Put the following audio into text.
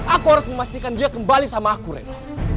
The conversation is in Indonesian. aku harus memastikan dia kembali sama aku reno